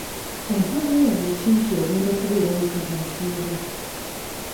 Ompa bweyamo ki nti ogenda kubeera omukazi asinga?